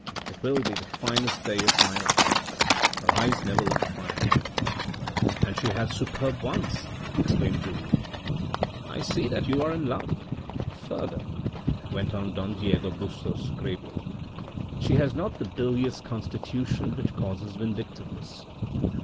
It will be the finest day of my life.' Her eyes never looked finer." "And she has superb ones," exclaimed Julien. :< I see that you are in love. Further," went on Don Diego Bustos gravely, " she has not the bilious constitution which causes vindictiveness.